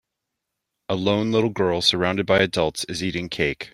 A lone little girl surrounded by adults is eating cake.